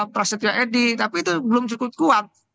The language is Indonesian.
prasetya edi tapi itu belum cukup kuat